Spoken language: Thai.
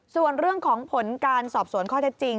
ส่วนเรื่องของผลการสอบสวนข้อเท็จจริง